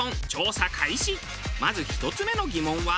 まず１つ目の疑問は。